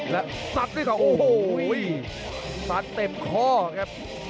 และสัดด้วยเขาโอ้โหสัดเต็มข้อครับ